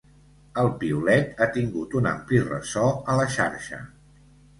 El piulet ha tingut un ampli ressò a la xarxa.